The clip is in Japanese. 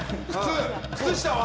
靴下は？